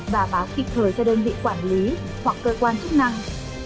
và báo kịp thời cho đơn vị quản lý hoặc cơ quan chức năng